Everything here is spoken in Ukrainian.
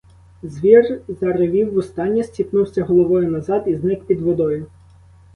Звір заревів востаннє, сіпнувся головою назад і зник під водою.